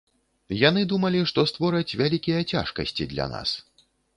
Яны думалі, што створаць вялікія цяжкасці для нас.